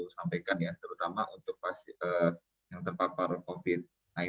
saya perlu sampaikan ya terutama untuk pasien yang terpapar covid sembilan belas